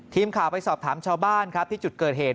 ทีมข่าวไปสอบถามชาวบ้านครับที่จุดเกิดเหตุ